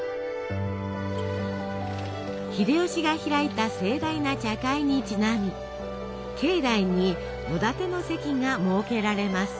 秀吉が開いた盛大な茶会にちなみ境内に野だての席が設けられます。